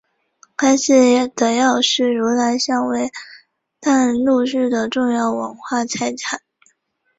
该寺的药师如来像为淡路市的重要文化财产。